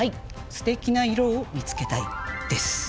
「すてきな色を見つけたい」です。